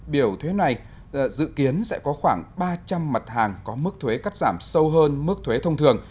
biểu thuế này dự kiến sẽ có khoảng ba trăm linh mặt hàng có mức thuế cắt giảm sâu hơn mức thuế thông thường